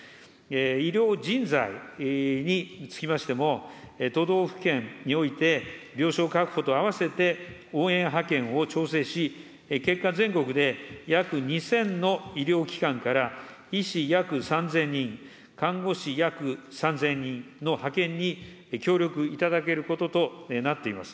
医療人材につきましても、都道府県において、病床確保と併せて、応援派遣を調整し、結果、全国で約２０００の医療機関から、医師約３０００人、看護師約３０００人の派遣に協力いただけることとなっています。